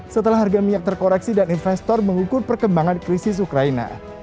setelah harga minyak terkoreksi dan investor mengukur perkembangan krisis ukraina